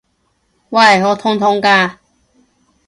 喂！我痛痛㗎！